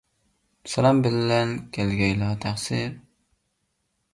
سالام بىلەن كەلگەيلا تەقسىر.